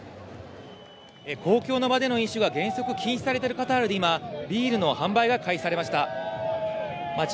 公共の場での飲酒が原則禁止されているカタールではビールの販売が開始されました。